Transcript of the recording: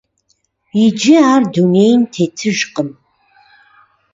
Иджы ар дунейм тетыжкъым.